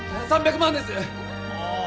３００万ですあ